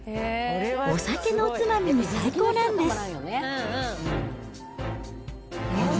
お酒のおつまみに最高なんです。